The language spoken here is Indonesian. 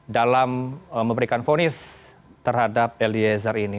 dalam memberikan vonis terhadap eliezer ini